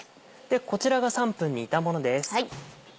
こちらが３分煮たものです。